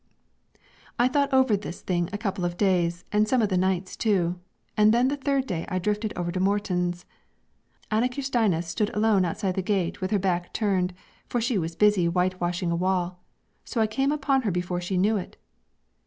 "I thought over this thing a couple of days and some of the nights too, and then the third day I drifted over to Morten's. Ane Kirstine stood alone outside the gate with her back turned, for she was busy whitewashing a wall, so I came upon her before she knew it.